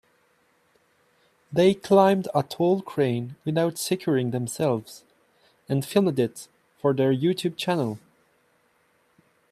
They climbed a tall crane without securing themselves and filmed it for their YouTube channel.